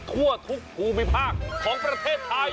ทั่วทุกภูมิภาคของประเทศไทย